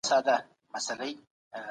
هغه وویل چي کمپيوټر پوهنه د نړۍ دروازه ده.